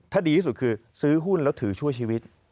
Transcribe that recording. ถ้าดีที่สุดคือซื้อหุ้นแล้วถือชั่วชีวิต